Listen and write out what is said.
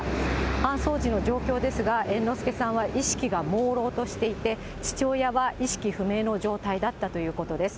搬送時の状況ですが、猿之助さんは意識がもうろうとしていて、父親は意識不明の状態だったということです。